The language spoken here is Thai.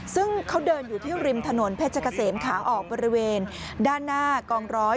ซึ่งเขาเดินอยู่ที่ริมถนนเพชรเกษมขาออกบริเวณด้านหน้ากองร้อย